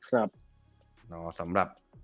สำหรับ